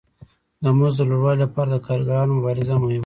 د مزد د لوړوالي لپاره د کارګرانو مبارزه مهمه ده